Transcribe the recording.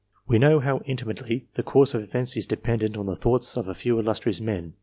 We know how intimately the course of events is dependent on the thoughts of a few illustrious men.